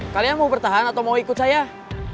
kalian mau ikut saya atau ikut bertahan